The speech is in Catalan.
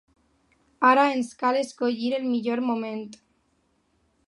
Ara ens cal escollir el millor moment.